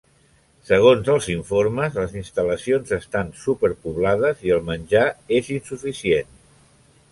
Segons els informes, les instal·lacions estan superpoblades, i el menjar és insuficient.